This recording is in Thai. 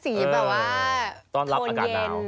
สีแบบว่าโทนเย็น